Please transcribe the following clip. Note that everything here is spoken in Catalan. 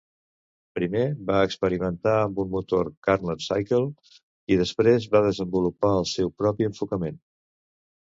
Primer va experimentar amb un motor Carnot Cycle, i després va desenvolupar el seu propi enfocament.